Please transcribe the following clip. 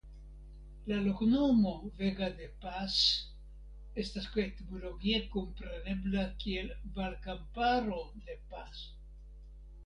La loknomo "Vega de Pas" estas etimologie komprenebla kiel "Valkamparo de Pas".